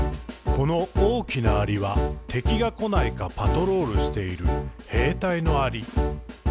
「この大きなアリは、敵がこないか、パトロールしている兵隊のアリ。」